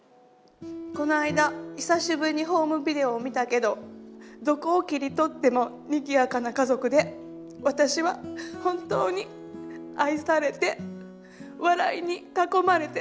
この間久しぶりにホームビデオを見たけどどこを切り取ってもにぎやかな家族で私は本当に愛されて笑いに囲まれて育ったんだなと改めて感じました。